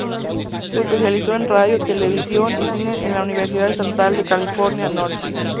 Se especializó en Radio, Televisión y cine en la Universidad Estatal de California Northridge.